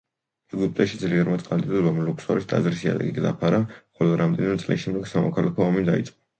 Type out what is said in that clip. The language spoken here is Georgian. ეგვიპტეში ძლიერმა წყალდიდობამ ლუქსორის ტაძრის იატაკი დაფარა, ხოლო რამდენიმე წლის შემდეგ სამოქალაქო ომი დაიწყო.